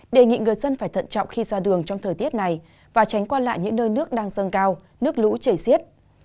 đề nghị người dân phải thận trọng khi ra đường trong thời tiết này và tránh qua lại những nơi nước đang dâng cao nước lũ chảy xiết